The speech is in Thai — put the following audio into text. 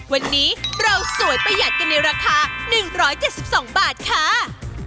วันนี้เราสวยประหยัดกันในราคา๑๗๒บาทค่ะ